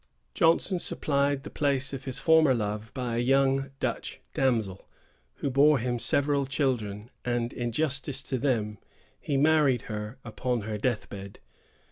Johnson supplied the place of his former love by a young Dutch damsel, who bore him several children; and, in justice to them, he married her upon her death bed.